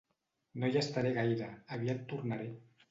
No hi estaré gaire, aviat tornaré.